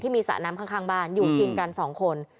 มีสระน้ำข้างบ้านอยู่กินกัน๒คน